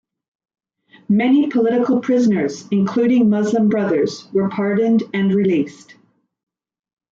Many political prisoners, including Muslim Brothers, were pardoned and released.